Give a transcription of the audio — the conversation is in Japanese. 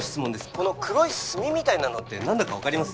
この黒い炭みたいなのって何だか分かります？